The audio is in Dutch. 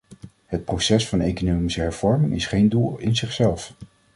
Het proces van economische hervorming is geen doel in zichzelf.